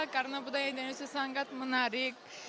karena budaya indonesia sangat menarik